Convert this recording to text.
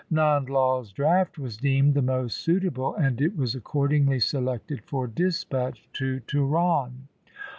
Nand Lai's draft was deemed the most suitable, and it was accordingly selected for dispatch to Tuhran.